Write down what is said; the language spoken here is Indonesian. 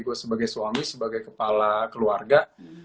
gue sebagai suami sebagai kepala keluarga